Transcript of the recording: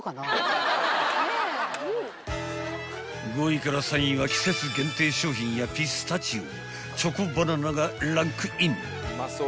［５位から３位は季節限定商品やピスタチオチョコバナナがランクイン］